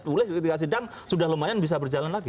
boleh ketika sidang sudah lumayan bisa berjalan lagi